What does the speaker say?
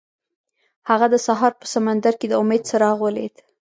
هغه د سهار په سمندر کې د امید څراغ ولید.